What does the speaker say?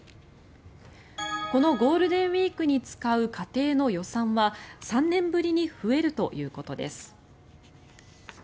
このゴールデンウィークに使う家庭の予算は３年ぶりに増えるということです。